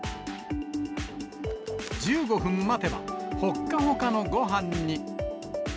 １５分待てば、ほっかほかのごはんに。